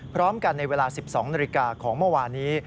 พร้อมกันในเวลา๑๒นาฬิกาของเมื่อวานี้